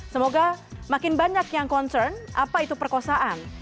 semoga makin banyak yang concern apa itu perkosaan